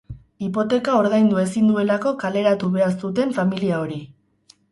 Hipoteka ordaindu ezin duelako kaleratu behar zuten familia hori.